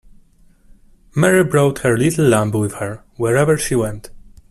Mary brought her little lamb with her, wherever she went.